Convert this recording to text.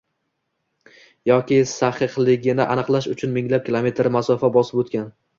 yoki sahihligini aniqlash uchun minglab kilometr masofa bosib o‘tgan.